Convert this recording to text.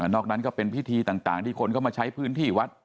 อกนั้นก็เป็นพิธีต่างที่คนเข้ามาใช้พื้นที่วัด